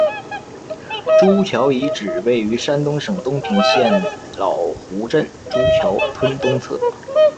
朱桥遗址位于山东省东平县老湖镇朱桥村东侧。